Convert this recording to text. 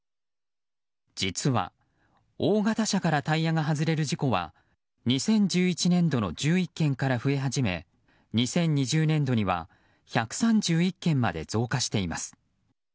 実は、大型車からタイヤが外れる事故は２０１１年度の１１件から増え始め２０２０年度には１３１件まで増加しています。